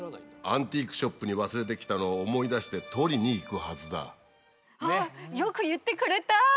「アンティークショップに忘れてきたのを思い出して取りに行くはずだ」